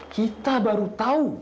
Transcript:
kita baru tahu